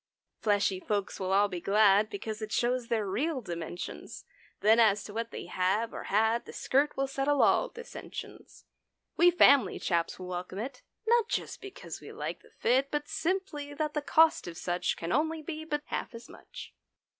Fleshy folks will all be glad Because it shows their real dimensions. Then, as to what they have or had, The skirt will settle all dissensions. We family chaps will welcome it— (Not just because we like the fit). But simply that the cost of such Can only be but half as much.